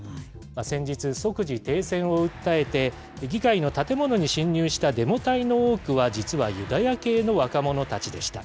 先日、即時停戦を訴えて、議会の建物に侵入したデモ隊の多くは、実はユダヤ系の若者たちでした。